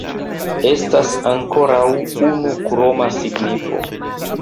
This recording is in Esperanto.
Estas ankoraŭ unu kroma signifo.